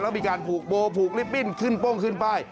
แล้วก็มีการผูกโบผูกลิปปิ้นขึ้นป้งขึ้นไป